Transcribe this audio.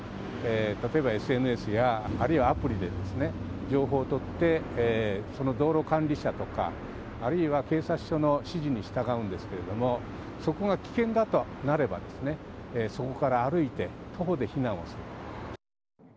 例えばＳＮＳやあるいはアプリで情報をとって道路管理者とかあるいは警察署の指示に従うんですけどもそこが危険だとなればそこから歩いて徒歩で避難をする。